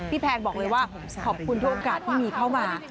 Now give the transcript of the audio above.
แพงบอกเลยว่าขอบคุณทุกโอกาสที่มีเข้ามา